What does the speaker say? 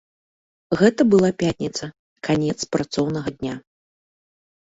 Гэта была пятніца, канец працоўнага дня.